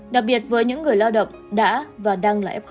đặc biệt với những người lao động đã và đang là fo